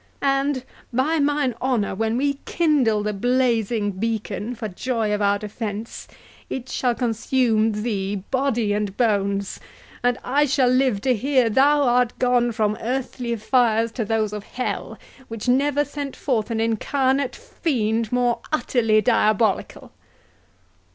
And by mine honour, when we kindle the blazing beacon, for joy of our defence, it shall consume thee, body and bones; and I shall live to hear thou art gone from earthly fires to those of that hell, which never sent forth an incarnate fiend more utterly diabolical!"